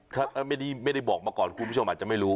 ถ้าไม่ได้บอกมาก่อนคุณผู้ชมอาจจะไม่รู้